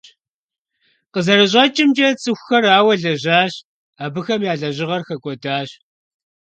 КъызэрыщӀэкӀымкӀэ, цӀыхухэр ауэ лэжьащ, абыхэм я лэжьыгъэр хэкӀуэдащ.